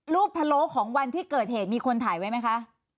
พะโล้ของวันที่เกิดเหตุมีคนถ่ายไว้ไหมคะ